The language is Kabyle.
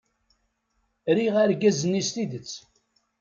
Riɣ argaz-nni s tidet.